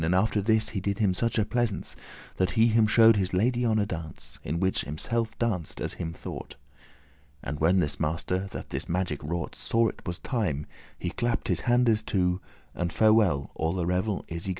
And after this he did him such pleasance, That he him shew'd his lady on a dance, In which himselfe danced, as him thought. And when this master, that this magic wrought, Saw it was time, he clapp'd his handes two, And farewell, all the revel is y go.